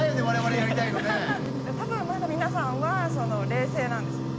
多分まだ皆さんは冷静なんですよ。